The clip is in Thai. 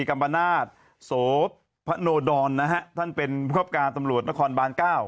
กัมบานาทโสพพนโดรนนะฮะท่านเป็นภาพการตำรวจนครบาน